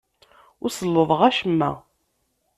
Ur sellḍeɣ acemma.